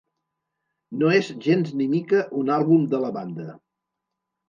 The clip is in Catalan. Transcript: No és gens ni mica un àlbum de la banda.